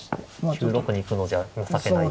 ９六に行くのじゃ情けない。